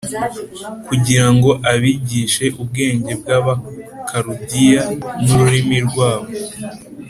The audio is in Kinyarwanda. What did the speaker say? kugira ngo abigishe ubwenge bw’Abakaludaya n’ururimi rwabo